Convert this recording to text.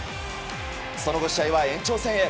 その後、試合は延長戦へ。